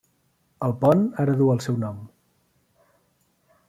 El pont ara duu el seu nom.